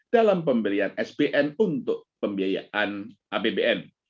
dalam pemberian sbn untuk pembiayaan apbn